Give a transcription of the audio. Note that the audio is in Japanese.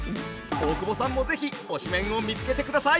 大久保さんも是非推しメンを見つけてください。